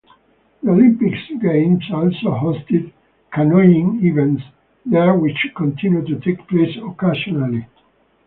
The Olympic games also hosted canoeing events there which continue to take place occasionally.